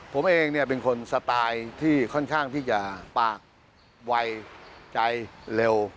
ผมเองเนี่ยเป็นคนสไตล์ที่ค่อนข้างที่จะปากไวใจเร็ว